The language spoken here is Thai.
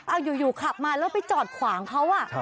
อ่าอยู่อยู่ขับมาแล้วไปจอดขวางเขาอ่ะใช่